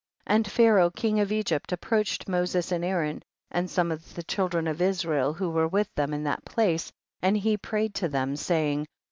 55. And Pharaoh king of Egypt approached Moses and Aaron, and some of the children of Israel who were with them in that place, and he prayed to them, saying, 56.